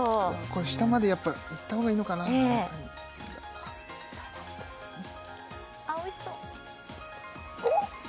これ下までやっぱいったほうがいいのかなおいしそうおおっ？